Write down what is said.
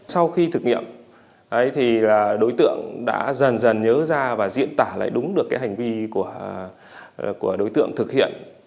sau khi thực nghiệm thì đối tượng đã dần dần nhớ ra và diễn tả lại đúng được hành vi của đối tượng thực hiện